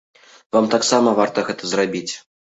Вам таксама варта гэта зрабіць.